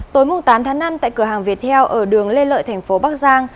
tối tám tháng năm tại cửa hàng viettel ở đường lê lợi tp bắc giang